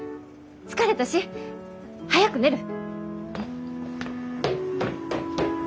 疲れたし早く寝る！